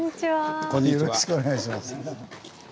よろしくお願いします。